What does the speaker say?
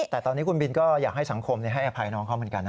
แต่ตอนนี้คุณบินก็อยากให้สังคมให้อภัยน้องเขาเหมือนกันนะ